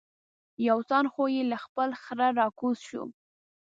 یو تن خو یې له خپل خره را کوز شو.